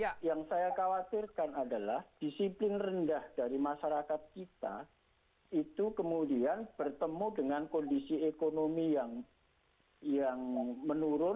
ya yang saya khawatirkan adalah disiplin rendah dari masyarakat kita itu kemudian bertemu dengan kondisi ekonomi yang menurun